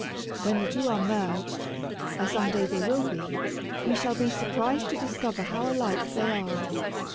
When the two are merged, as some day they will be, we shall be surprised to discover how alike they are.